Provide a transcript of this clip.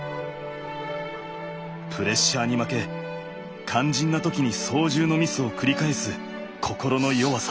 プレッシャーに負け肝心な時に操縦のミスを繰り返す心の弱さ。